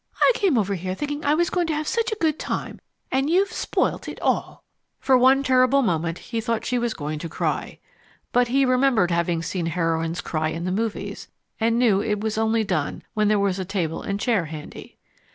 I came over here thinking I was going to have such a good time, and you've spoilt it all!" For one terrible moment he thought she was going to cry. But he remembered having seen heroines cry in the movies, and knew it was only done when there was a table and chair handy.